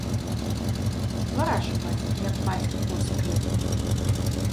З двара чуваць, як бацька косы клепле.